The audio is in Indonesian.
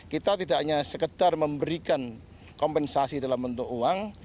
kita tidak hanya sekedar memberikan kompensasi dalam bentuk uang